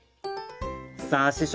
さあ師匠